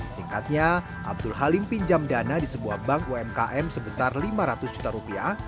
singkatnya abdul halim pinjam dana di sebuah bank umkm sebesar lima ratus juta rupiah